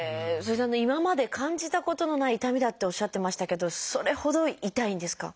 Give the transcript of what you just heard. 今まで感じたことのない痛みだっておっしゃってましたけどそれほど痛いんですか？